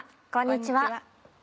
こんにちは。